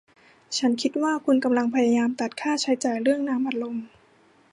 ฉันคิดว่าคุณกำลังพยายามตัดค่าใช้จ่ายเรื่องน้ำอัดลม